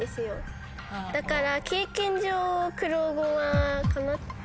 だから。